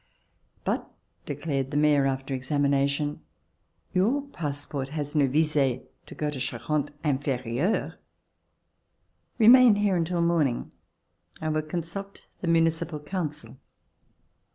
"But," declared the Mayor, after exami nation, "your passport has no vise to go into Charente Inferieure. Remain here until morning. I will consult the Municipal Council."